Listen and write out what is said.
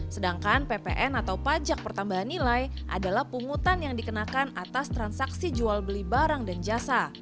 sedangkan ppn atau pajak pertambahan nilai adalah pungutan yang dikenakan atas transaksi jual beli barang dan jasa